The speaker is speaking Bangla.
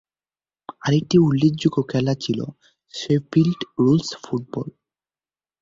আরেকটি উল্লেখযোগ্য খেলা ছিল শেফিল্ড রুলস ফুটবল।